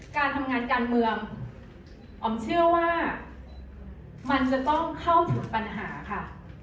การทำงานการเมืองอ๋อมเชื่อว่ามันจะต้องเข้าถึงปัญหาค่ะ